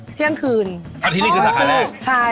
เที่ยงคืนสาขาเลือกอ๋อใช่